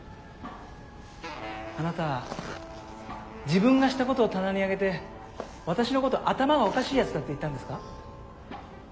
あなた自分がしたことを棚に上げて私のこと頭がおかしいやつだって言ったんですか？